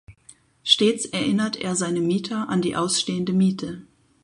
Stets erinnert er seine Mieter an die ausstehende Miete.